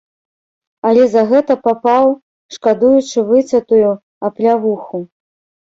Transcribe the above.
Але за гэта папаў, шкадуючы выцятую, аплявуху.